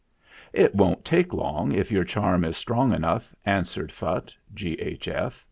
"It won't take long if your charm is strong enough," answered Phutt, G.H.F.